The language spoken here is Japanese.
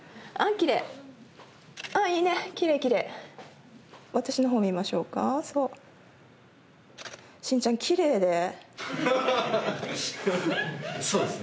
きれいああいいねきれいきれい私のほう見ましょうかそう真ちゃんきれいでそうですね